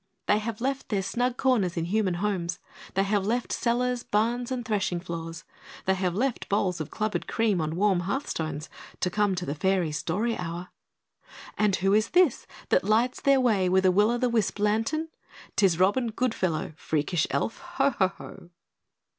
They have left their snug corners in human homes; they have left cellars, barns, and threshing floors; they have left bowls of clubbered cream on warm hearthstones, to come to the Fairies' Story Hour. And who is this that lights their way with a Will o' the Wisp lantern? 'Tis Robin Goodfellow, freakish Elf! Ho! Ho! Ho!